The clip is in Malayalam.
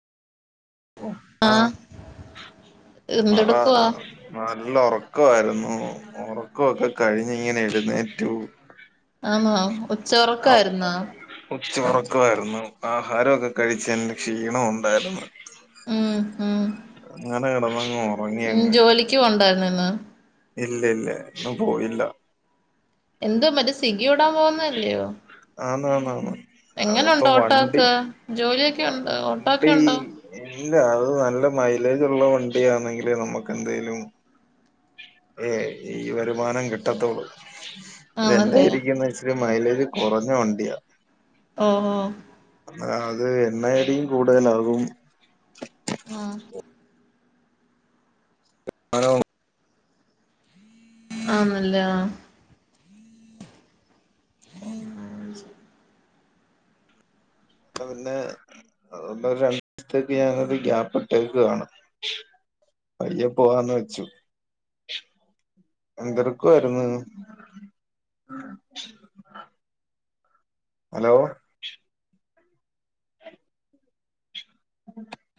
ഓ [unintelligible] ആഹ് പറ എന്തെടുക്കുവാ നല്ല ഉറക്കമായിരുന്നു ഉറക്കമൊക്കെ കഴിഞ്ഞ ഇങ്ങനെ എഴുന്നേറ്റു ആണോ ഉച്ചഒറക്ക ആരുന്നാ ഉച്ച ഉറക്കമായിരുന്നു ആഹാരമൊക്കെ കഴിച്ചതിന്റെ ക്ഷീണ ഉണ്ടായിരുന്നു ഉം ഉം അങ്ങനെ ഇടന്നങ്ങ് ഉറങ്ങിയങ്ങ് ഒക്ക ഉണ്ടായിരുന്നന്ന് ഇല്ല ഇല്ല ഇന്ന് പോയില്ല എന്തോ മറ്റേ സ്വിഗി വിടാൻ പോകുന്നതല്ലയോ ആന്ന് ആന്ന്ആന്ന് അതിപ്പോ എങ്ങനുണ്ട് വണ്ടി ഓട്ടോക്കെ ജോലിയൊക്കെ ഉണ്ടോ ഓട്ടോക്കെ വണ്ടി ഉണ്ടോ ഇല്ല അത് നല്ല മൈലേജ്ള്ള വണ്ടിയാണെങ്കിൽ നമ്മുക്ക് എന്തേലും ഏ ഈ വരുമാനം കിട്ടത്തോള്ളൂ ആന്നല്ലേ ഇതെന്തായിരിക്കുംന്ന് വെച്ചല് മൈലേജ് കുറഞ്ഞ വണ്ടിയാ ഓ ഓ അത് എണ്ണആയിരിക്കും കൂടുതലാകും ആഹ് ആണോ ആണല്ലോ [unintelligible] പിന്നെ ഒന്ന് രണ്ട് ദിവസത്തേക്ക് ഞാനത് ഗ്യാപ്പ് ഇട്ടേക്കുവാണ് പയ്യെ പോവാന്ന് വെച്ചു എന്തെടുക്കുവായിരുന്നു ഹലോ [unintelligible]